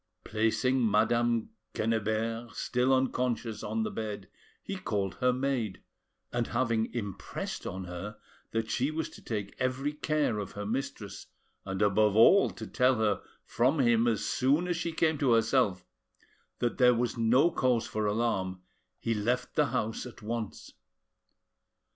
Placing Madame Quennebert, still unconscious, on the bed, he called her maid, and, having impressed on her that she was to take every care of her mistress, and above all to tell her from him as soon as she came to herself that there was no cause for alarm, he left the house at once.